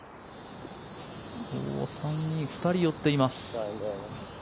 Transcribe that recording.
３人、２人寄っています。